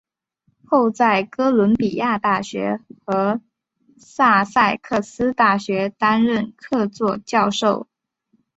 后在哥伦比亚大学和萨塞克斯大学担任客座教授。